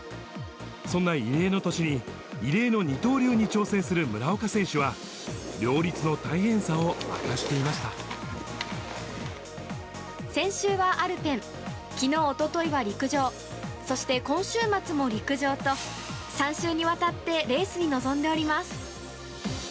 そんな異例の年に、異例の二刀流に挑戦する村岡選手は、両立の大先週はアルペン、きのう、おとといは陸上、そして今週末も陸上と、３週にわたってレースに臨んでおります。